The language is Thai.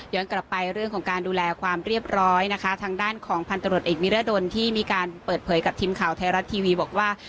กลับไปเรื่องของการดูแลความเรียบร้อยนะคะทางด้านของพันตรวจเอกนิรดลที่มีการเปิดเผยกับทีมข่าวไทยรัฐทีวีบอกว่า